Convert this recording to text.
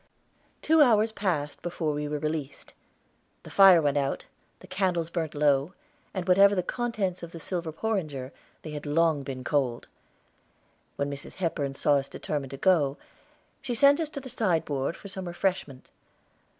Two hours passed before we were released. The fire went out, the candles burnt low, and whatever the contents of the silver porringer, they had long been cold. When Mrs. Hepburn saw us determined to go, she sent us to the sideboard for some refreshment.